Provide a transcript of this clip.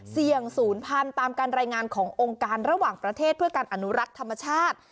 ศูนย์พันธุ์ตามการรายงานขององค์การระหว่างประเทศเพื่อการอนุรักษ์ธรรมชาติ